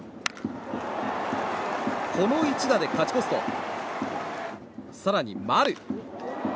この一打で勝ち越すと更に丸！